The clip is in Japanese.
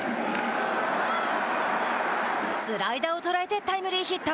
スライダーを捉えてタイムリーヒット。